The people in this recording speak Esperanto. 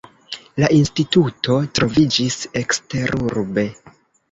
La instituto troviĝis eksterurbe.